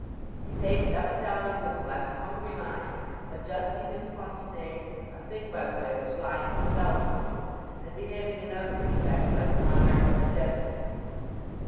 He paced up and down the room like a hungry lion, adjusting his pince nez (a thing, by the way, which lions seldom do) and behaving in other respects like a monarch of the desert.